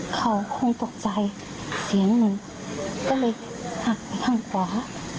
เขาคงตกใจเสียงหนึ่งก็เลยหักไปทางขวา